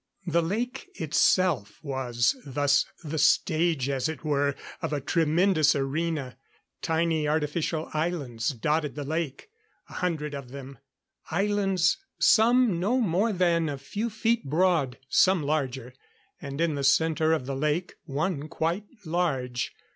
The lake itself was thus the stage as it were, of a tremendous arena. Tiny artificial islands dotted the lake a hundred of them. Islands, some no more than a few feet broad; some larger, and in the center of the lake, one quite large.